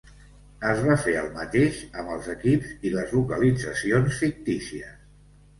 Es va fer el mateix amb els equips i les localitzacions fictícies.